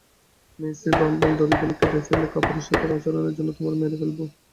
মেইসি Bramble, দড়িগুলো কেটে ফেললে, কাপুরুষোচিত আচরণের জন্য তোমায় মেরে ফেলবো!